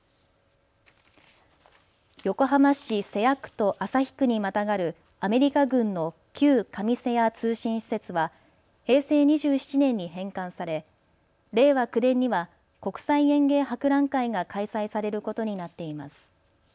横浜市瀬谷区と旭区にまたがるアメリカ軍の旧上瀬谷通信施設は平成２７年に返還され、令和９年には国際園芸博覧会が開催されることになっています。